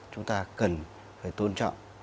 chúng ta cần phải tôn trọng